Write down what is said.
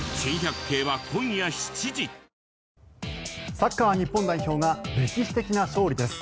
サッカー日本代表が歴史的な勝利です。